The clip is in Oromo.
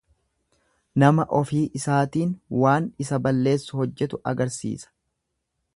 Nama ofii isaatiin waan isa balleessu hojjetu agarsiisa.